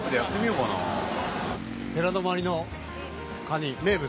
寺泊のカニ名物？